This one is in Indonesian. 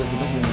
untuk minta maaf